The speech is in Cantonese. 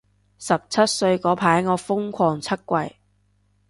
十七歲嗰排我瘋狂出櫃